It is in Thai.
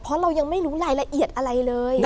เพราะเรายังไม่รู้รายละเอียดอะไรเลย